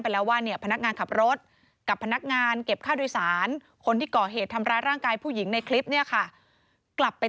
เสนอต้อนรบสถานกรุงประกอบภัย